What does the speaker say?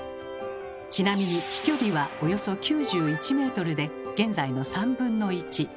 ちなみに飛距離はおよそ９１ｍで現在の３分の１。